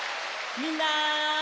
みんな！